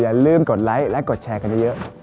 อย่าลืมกดไลค์และกดแชร์กันเยอะ